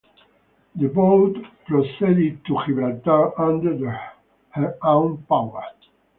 The boat proceeded to Gibraltar under her own power.